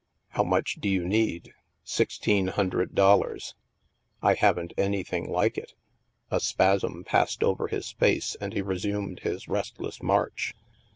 ''" How much do you need ?"" Sixteen hundred dollars." " I haven't anything like it" A spasm passed over his face and he resumed his restless march.